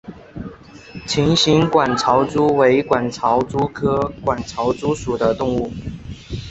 琴形管巢蛛为管巢蛛科管巢蛛属的动物。